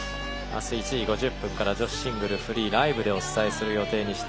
明日１時５０分から女子シングルフリーライブでお伝えする予定です。